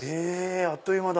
あっという間だ。